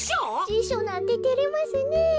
じしょなんててれますねえ。